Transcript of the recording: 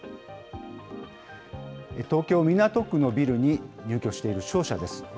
東京・港区のビルに入居している商社です。